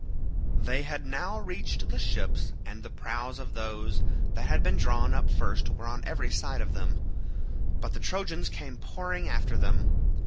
They had now reached the ships and the prows of those that had been drawn up first were on every side of them, but the Trojans came pouring after them.